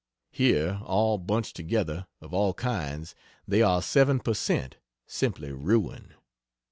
Here, all bunched together of all kinds, they are 7 per cent simply ruin.